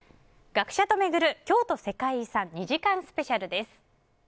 学者と巡る京都世界遺産２時間スペシャルです。